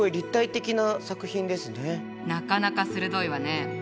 なかなか鋭いわね。